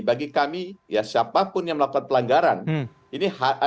bagi kami ya siapapun yang melakukan pelanggaran ini di mata hukum adalah sama